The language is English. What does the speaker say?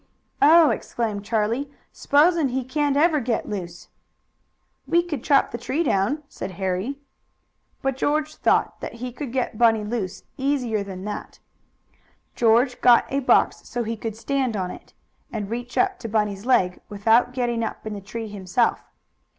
"Oh!" exclaimed Charlie, "s'posin' he can't ever get loose!" "We could chop the tree down," said Harry. But George thought he could get Bunny loose easier than that. George got a box, so he could stand on it and reach up to Bunny's leg without getting up in the tree himself.